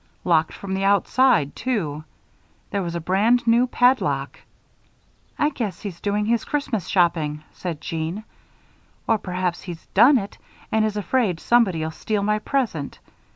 Locked from the outside, too. There was a brand new padlock. "I guess he's doing his Christmas shopping," said Jeanne. "Or perhaps he's done it and is afraid somebody'll steal my present.